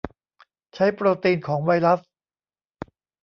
ใช้โปรตีนของไวรัส